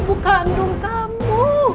ibu kandung kamu